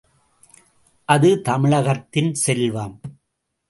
அது தமிழகத்தின் செல்வம்.